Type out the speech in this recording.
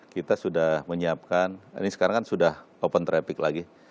kita sudah menyiapkan ini sekarang kan sudah open traffic lagi